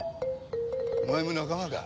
お前も仲間か？